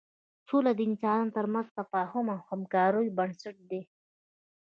سوله د انسانانو تر منځ د تفاهم او همکاریو بنسټ دی.